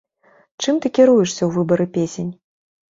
Чым ты кіруешся ў выбары песень?